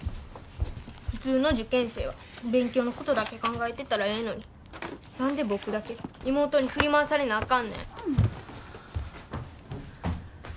普通の受験生は勉強のことだけ考えてたらええのに何で僕だけ妹に振り回されなあかんねん。